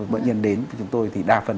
bệnh nhân đến với chúng tôi thì đa phần